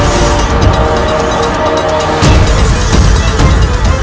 membiarkan diriku dihina